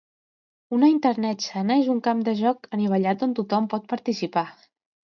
Una Internet sana és un camp de joc anivellat on tothom pot participar.